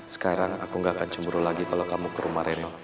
sekarang aku gak akan cemburu lagi kalau kamu ke rumah remo